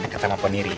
biar dekat sama poniri